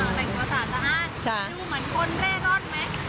แต่งตัวสะอาดดูเหมือนคนเร่รอดไหมใช่ไหม